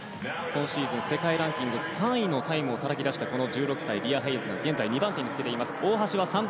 今シーズン世界ランキング３位のタイムをたたき出した１６歳、リア・ヘイズが２番手につけています。